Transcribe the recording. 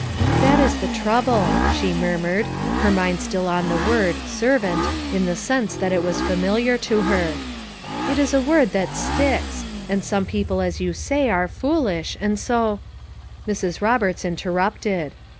"That is the trouble," she murmured, her mind still on the word "servant" in the sense that it was familiar to her — "It is a word that sticks; and some people as you say are fool ish, and so —" Mrs* Roberts interrupted.